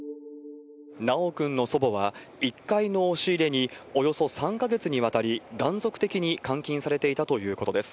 修くんの祖母は、１回の押し入れに、およそ３か月にわたり断続的に監禁されていたということです。